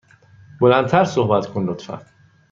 بلند تر صحبت کن، لطفا.